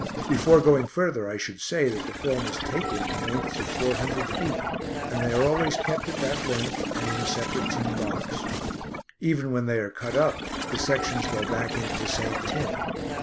Before going further I should say that the film is "taken" in lengths of four hundred feet, and they are always kept at that length and in a separate tin box. Even when they are cut up the sections go back into the same tin.